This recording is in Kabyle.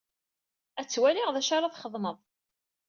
Ad twaliɣ d acu ara txedmeḍ.